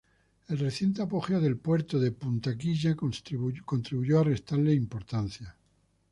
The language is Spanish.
El reciente apogeo del puerto de Punta Quilla contribuyó a restarle importancia.